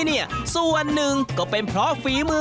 กี่โลกรัมคะ